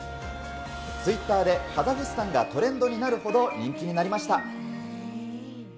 ツイッターでカザフスタンがトレンドになるほど人気になりました。